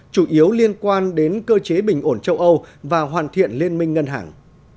chủ yếu liên quan đến cơ chế bình ổn châu âu và hoàn thiện liên minh ngân hàng